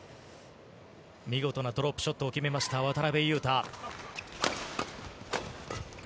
見事なドロップショットを決めました、渡辺勇大。